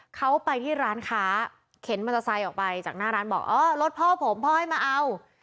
เขาไปที่ร้านค้าเข็นมอเตอร์ไซค์ออกไปจากหน้าร้านบอกอ๋อรถพ่อผมพ่อให้มาเอา